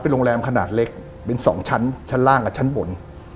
โรงแรมขนาดเล็กเป็น๒ชั้นชั้นล่างกับชั้นบน